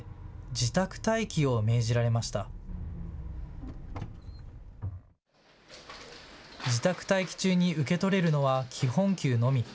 自宅待機中に受け取れるのは基本給のみ。